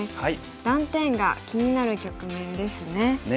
断点が気になる局面ですね。